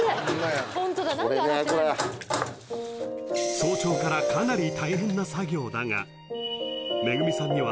［早朝からかなり大変な作業だが］